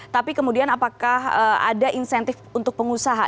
tapi kemudian apakah ada insentif untuk pengusaha